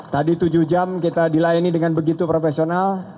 tadi tujuh jam kita dilayani dengan begitu profesional